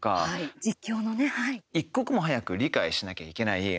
一刻も早く理解しなきゃいけない